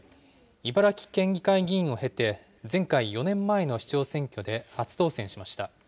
茨城県議会議員を経て、前回４年前の市長選挙で初当選しました。